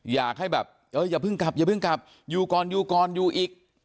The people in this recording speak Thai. อยากให้แบบเอออย่าเพิ่งกลับอย่าเพิ่งกลับอยู่ก่อนอยู่ก่อนอยู่อีก